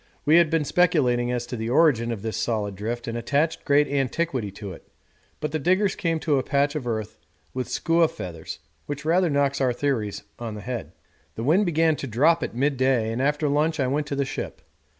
We had been speculating as to the origin of this solid drift and attached great antiquity to it, but the diggers came to a patch of earth with skua feathers, which rather knocks our theories on the head. The wind began to drop at midday, and after lunch I went to the ship.